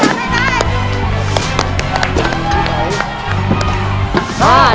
ได้ทำไม่ได้